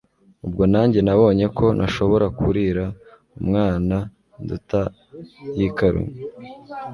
ubwo nanjye nabonye ko ntashobora kurira umwana nduta yikarumye